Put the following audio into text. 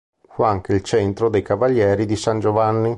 Fu anche il centro dei Cavalieri di san Giovanni.